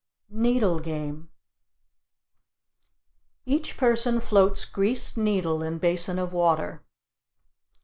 NEEDLE GAME Each person floats greased needle in basin of water.